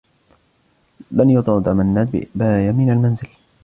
لن يطرد منّاد باية من المنزل.